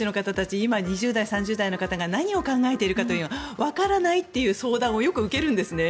今、２０代３０代の方が何を考えているかわからないという相談をよく受けるんですね。